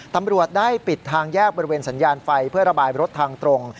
ตำรวจได้ปิดทางแยกบริเวณสัญญาณไฟเพื่อระบายรถทางตรง